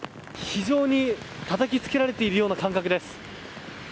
非常にたたきつけられているような感覚です。